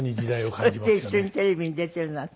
それで一緒にテレビに出ているなんて？